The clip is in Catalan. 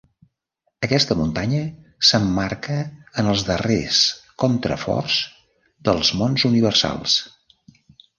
Aquesta muntanya s'emmarca en els darrers contraforts dels Monts Universals.